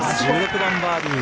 １６番、バーディー。